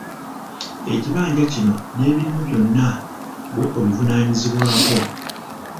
Ekibanja kino n'ebirimu byonna ggwe obivunaanyizibwako.